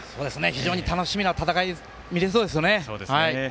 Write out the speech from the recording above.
非常に楽しみな戦いが見られそうですね。